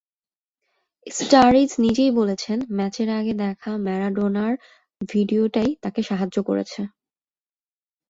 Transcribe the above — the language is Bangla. স্টারিজ নিজেই বলেছেন, ম্যাচের আগে দেখা ম্যারাডোনার ভিডিওটাই তাঁকে সাহায্য করেছে।